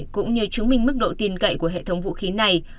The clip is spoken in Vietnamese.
cũng như chứng minh mức độ tin cậy của hệ thống vũ khí này